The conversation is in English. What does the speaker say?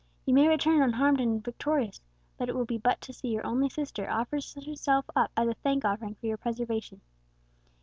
You may return unharmed and victorious, but it will be but to see your only sister offer herself up as a thank offering for your preservation.